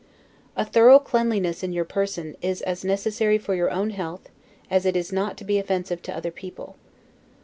A thorough cleanliness in your person is as necessary for your own health, as it is not to be offensive to other people.